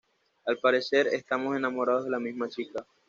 al parecer, estamos enamorados de la misma chica